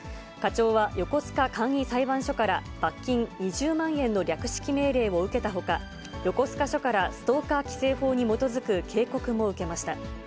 課長は横須賀簡易裁判所から罰金２０万円の略式命令を受けたほか、横須賀署からストーカー規制法に基づく警告も受けました。